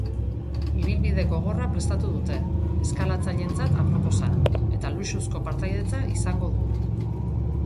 Ibilbide gogorra prestatu dute, eskalatzaileentzat aproposa, eta luxuzko partaidetza izango du.